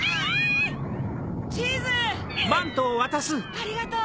ありがとう！